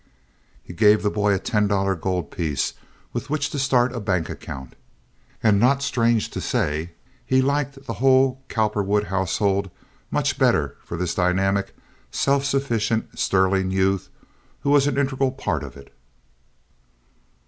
He gave the boy a ten dollar gold piece with which to start a bank account. And, not strange to say, he liked the whole Cowperwood household much better for this dynamic, self sufficient, sterling youth who was an integral part of it.